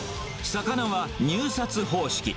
魚は入札方式。